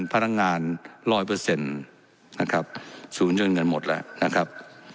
พนักงานร้อยเปอร์เซ็นต์นะครับศูนย์จนเงินหมดแล้วนะครับ